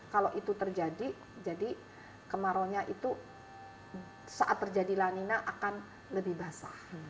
kalau itu terjadi jadi kemaraunya itu saat terjadi lanina akan lebih basah